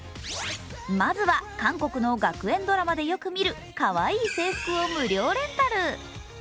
まずは、韓国の学園ドラマでよく見るかわいい制服を無料レンタル。